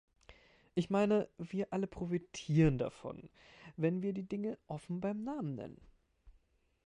Ich meine, wir alle profitieren davon, wenn wir die Dinge offen beim Namen nennen.